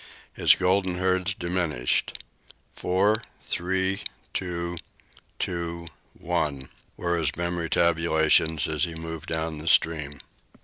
His golden herds diminished. "Four, three, two, two, one," were his memory tabulations as he moved down the stream.